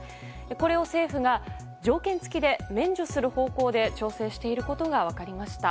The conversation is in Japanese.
これを政府が条件付きで免除する方向で調整していることが分かりました。